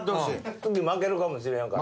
次負けるかもしれへんから。